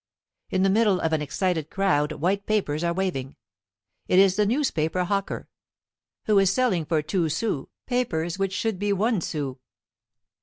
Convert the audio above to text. In the middle of an excited crowd white papers are waving. It is the newspaper hawker, who is selling for two sous papers which should be one sou.